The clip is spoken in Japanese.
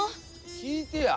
聞いてや。